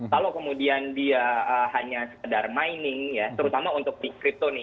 kalau kemudian dia hanya sekedar mining ya terutama untuk di crypto nih